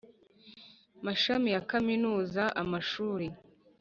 mashami ya Kaminuza amashuri